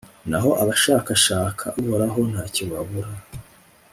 naho abashakashaka uhoraho nta cyo babura